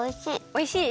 おいしい？